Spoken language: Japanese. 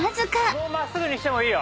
「もう真っすぐにしてもいいよ」